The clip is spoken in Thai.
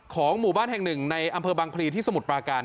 ของหมู่บ้านแห่งหนึ่งในอำเภอบังพลีที่สมุทรปราการ